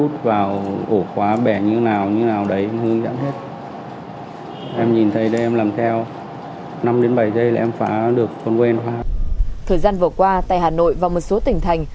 thời gian vừa qua tại hà nội và một số tỉnh thành